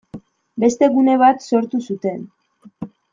Beste gune bat sortu zuten.